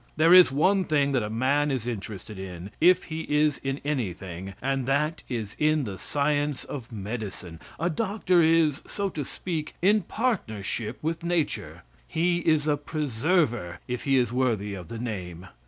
There is one thing that a man is interested in, if he is in anything, and that is in the science of medicine. A doctor is, so to speak, in partnership with Nature. He is a preserver if he is worthy of the name.